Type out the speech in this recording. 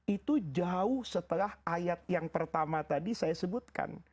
itu jauh setelah ayat yang pertama tadi saya sebutkan